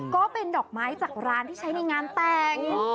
ก็เป็นดอกไม้จากร้านที่ใช้ในงานแต่ง